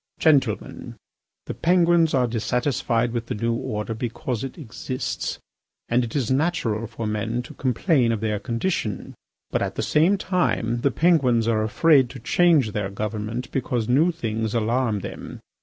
"Gentlemen, the Penguins are dissatisfied with the new order because it exists, and it is natural for men to complain of their condition. But at the same time the Penguins are afraid to change their government because new things alarm them.